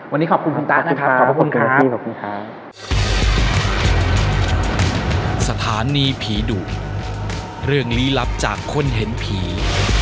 วันนี้ขอบคุณคุณต้านะครับขอบคุณครับพี่ขอบคุณครับขอบคุณครับ